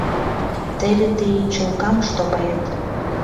Теве тый чулкам штопает.